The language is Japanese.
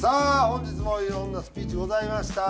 本日もいろんなスピーチございました。